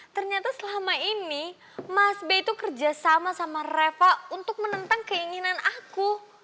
ternyata selama ini mas b itu kerjasama sama reva untuk menentang keinginan aku